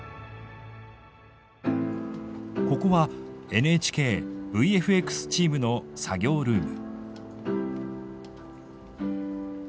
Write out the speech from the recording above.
ここはＮＨＫＶＦＸチームの作業ルーム。